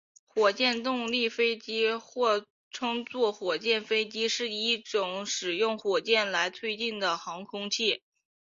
火箭动力飞机或称作火箭飞机是一种使用火箭来推进的航空器。